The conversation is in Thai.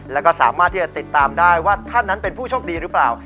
แล้วก็สามารถที่จะติดตามได้ว่าท่านนั้นเป็นผู้โชคดีหรือเปล่า